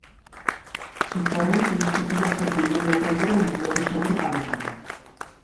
ঠিক করেন তুরস্ক থেকে একটি ডিঙি নৌকায় করে ভূমধ্যসাগর পাড়ি দেবেন।